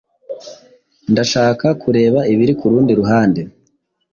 Ndashaka kureba ibiri kurundi ruhande.